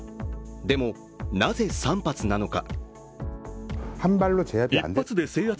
でもなぜ３発なのか。